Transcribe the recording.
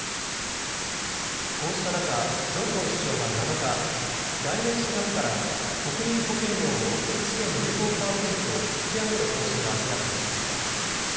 こうした中、ジョンソン首相は７日、来年４月から国民保険料を１．２５％引き上げる方針を明らかにしました。